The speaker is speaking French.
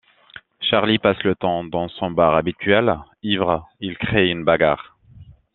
Charlie passe le temps dans son bar habituel, ivre, il crée une bagarre.